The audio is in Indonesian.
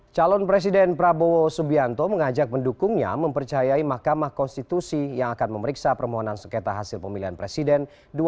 calon presiden prabowo subianto mengajak pendukungnya mempercayai mahkamah konstitusi yang akan memeriksa permohonan sengketa hasil pemilihan presiden dua ribu sembilan belas